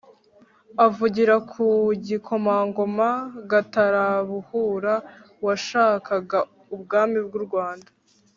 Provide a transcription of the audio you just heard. avugira ku gikomangoma gatarabuhura washakaga ubwami bw'u rwanda,